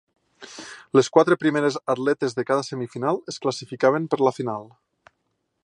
Les quatre primeres atletes de cada semifinal es classificaven per la final.